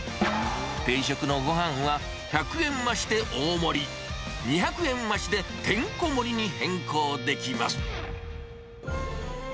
定食のごはんは、１００円増しで大盛り、２００円増しでてんこ盛りに変更できます。